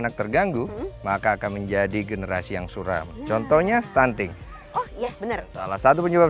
anak terganggu maka akan menjadi generasi yang suram contohnya stunting salah satu penyebab